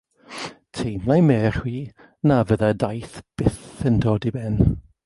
Teimlai Mary na fyddai'r daith byth yn dod i ben.